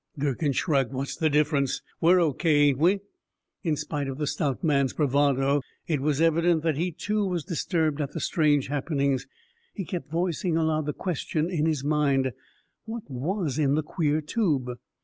Durkin shrugged. "What's the difference? We're O. K., ain't we?" In spite of the stout man's bravado, it was evident that he, too, was disturbed at the strange happenings. He kept voicing aloud the question in his mind; what was in the queer tube?